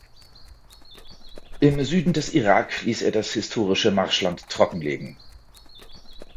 Im Süden des Irak ließ er das historische Marschland trockenlegen.